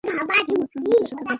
তোমার প্রমিকের সাথে দেখা করতে চাও?